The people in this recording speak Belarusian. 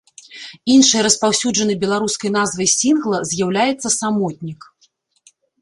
Іншай распаўсюджанай беларускай назвай сінгла з'яўляецца самотнік.